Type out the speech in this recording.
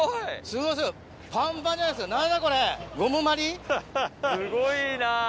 すごいな。